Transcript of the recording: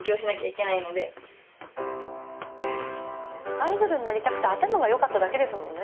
アイドルになりたくて頭がよかっただけですもんね。